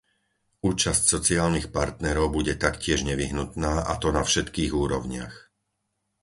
Účasť sociálnych partnerov bude taktiež nevyhnutná a to na všetkých úrovniach.